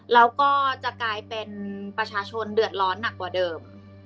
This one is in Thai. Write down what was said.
แล้วก็จะกลายเป็นประชาชนเดือดร้อนหนักกว่าเดิม